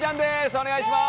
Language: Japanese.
お願いします。